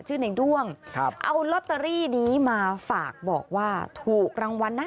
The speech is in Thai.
ชื่อในด้วงครับเอาลอตเตอรี่นี้มาฝากบอกว่าถูกรางวัลนะ